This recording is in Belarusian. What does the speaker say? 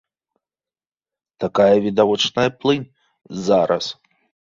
Такая відавочная плынь зараз.